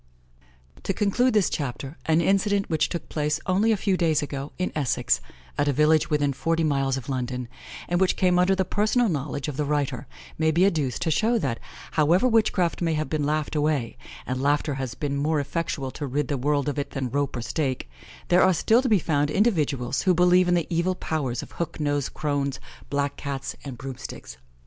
To conclude this Chapter, an incident which took place only a few days ago, in Essex, at a village within forty miles of London, and which came under the personal knowledge of the writer, may be adduced, to show that, however witchcraft may have been laughed away and laughter has been more effectual to rid the world of it than rope or stake there are still to be found individuals who believe in the evil powers of hook nosed crones, black Cats, and broom sticks.